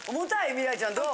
未来ちゃんどう？